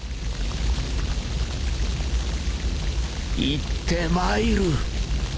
行ってまいる